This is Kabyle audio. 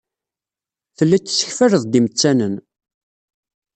Telliḍ tessekfaleḍ-d imettanen.